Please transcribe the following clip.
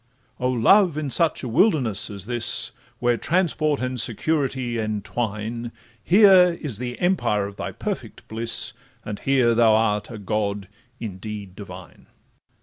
'Oh Love! in such a wilderness as this, Where transport and security entwine, Here is the empire of thy perfect bliss, And here thou art a god indeed divine.